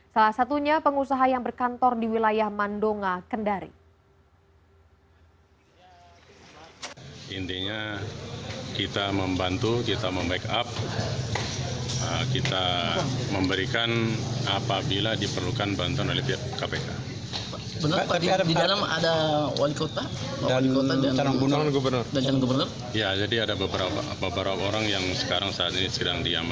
salah satunya pengusaha yang berkantor di wilayah mandonga kendari